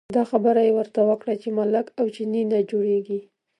دا خبره یې ورته وکړه چې ملک او چینی نه جوړېږي.